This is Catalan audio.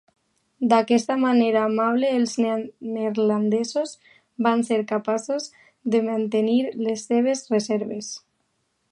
D'aquesta manera amable els neerlandesos van ser capaços de mantenir les seves reserves.